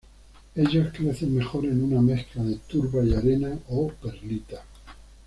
Ellos crecen mejor en una mezcla de turba y arena o perlita.